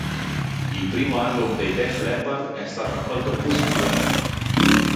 Il primo album dei Def Leppard è stato accolto positivamente.